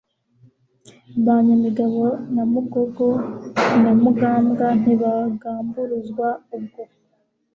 Ba Nyamigabo ya Mugogo na Mugambwa, Ntibagamburuzwa ubwo.